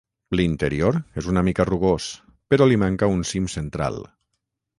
L'interior és una mica rugós, però li manca un cim central.